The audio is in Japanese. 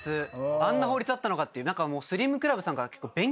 あんな法律あったのかって。